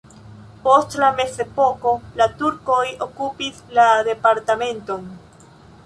Post la mezepoko la turkoj okupis la departementon.